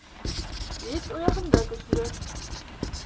Эт ояһында көслө.